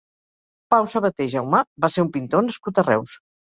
Pau Sabaté Jaumà va ser un pintor nascut a Reus.